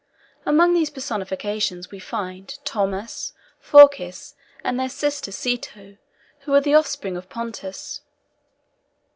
Among these personifications we find Thaumas, Phorcys, and their sister Ceto, who were the offspring of Pontus.